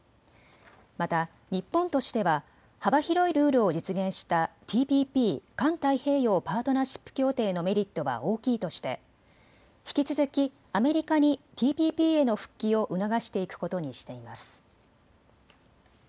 また日本としては幅広いルールを実現したＴＰＰ・環太平洋パートナーシップ協定のメリットは大きいとして引き続きアメリカにＴＰＰへの復帰を促していくことにしています。